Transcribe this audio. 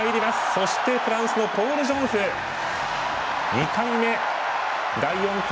そしてフランスのポール・ジョンフ第４課